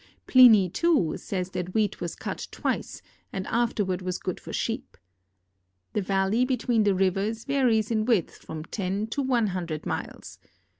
Pliny, too, says that wheat was cut twice and afterward was jjood for sheep. The valley between the rivers varies in width from ten to one hundred miles.